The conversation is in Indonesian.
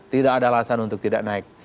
tidak ada alasan untuk tidak naik